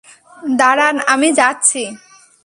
দাড়ান, আমি যাচ্ছি।